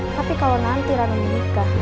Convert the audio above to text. tapi kalau nanti ranum nikah